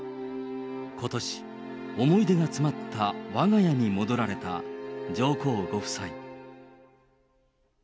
ことし、思い出が詰まったわが家に戻られた上皇ご夫妻。